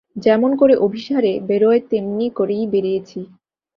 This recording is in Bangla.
যেমন করে অভিসারে বেরোয় তেমনি করেই বেরিয়েছি।